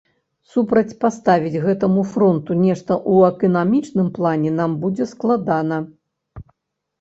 Супрацьпаставіць гэтаму фронту нешта ў эканамічным плане нам будзе складана.